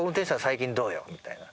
最近どうよ？みたいな。